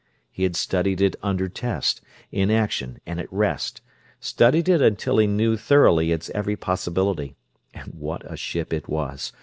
He had studied it under test, in action, and at rest; studied it until he knew thoroughly its every possibility and what a ship it was!